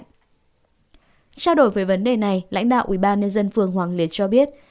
trao đổi về vấn đề này lãnh đạo ubnd phường hoàng liệt cho biết